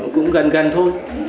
cũng gần gần thôi